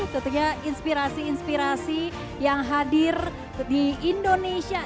tentunya inspirasi inspirasi yang hadir di indonesia